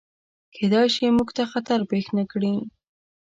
کیدای شي، موږ ته خطر پیښ نکړي.